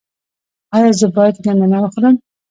ایا زه باید ګندنه وخورم؟